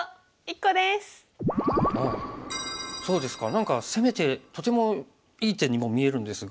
何か攻めてとてもいい手にも見えるんですが。